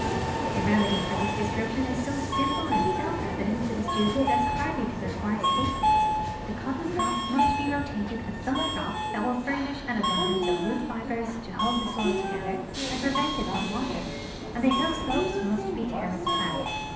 The remedy for this destruction is so simple and self evident to the student as hardly to require statement ; the cotton crop must be rotated with some crop that will furnish an abundance of root fibers to hold the soil together and prevent it from wash ing, and the hill slopes must be terrace plowed.